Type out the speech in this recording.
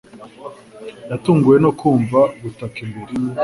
Yatunguwe no kumva gutaka imbere.